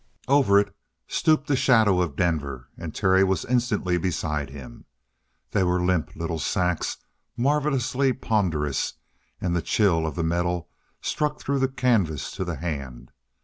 Over it stooped the shadow of Denver, and Terry was instantly beside him. They were limp little sacks, marvellously ponderous, and the chill of the metal struck through the canvas to the hand.